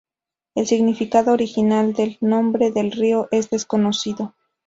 El significado original del nombre del río es desconocido.